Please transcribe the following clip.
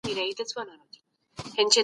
د نورو خلګو نظرياتو ته تل درناوی وکړئ.